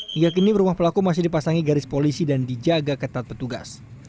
hingga kini rumah pelaku masih dipasangi garis polisi dan dijaga ketat petugas